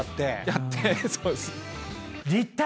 やってそうです。